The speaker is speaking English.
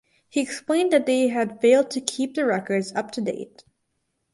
He explained that they had failed to keep the records up to date.